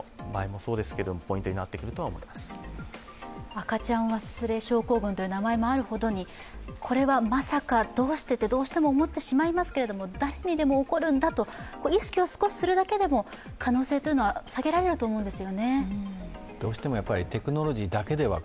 赤ちゃん忘れ症候群という名前もあるくらいにこれはまさか、どうしてとどうしても思ってしまいますけれども誰にでも起こるんだと意識をするだけでも可能性は下げられると思うんです。